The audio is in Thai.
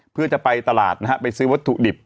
เพื่อจะไปตลาดนะฮะไปซื้อวัตถุดิบ